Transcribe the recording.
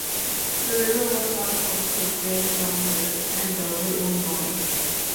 The river was once home to a grain mill near Andover, Illinois.